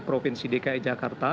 provinsi dki jakarta